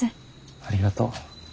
ありがとう。